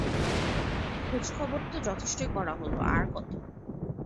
খোঁজখবর তো যথেষ্টই করা হল, আর কত?